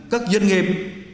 các doanh nghiệp